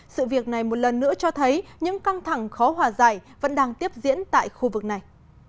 sự việc này một lần nữa cho thấy những căng thẳng khó hòa giải vẫn đang tiếp diễn tại khu vực này